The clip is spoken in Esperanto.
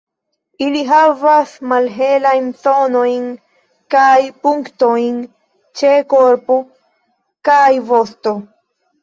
Ili havas malhelajn zonojn kaj punktojn ĉe korpo kaj vosto.